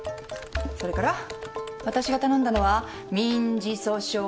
それからわたしが頼んだのは民事訴訟法。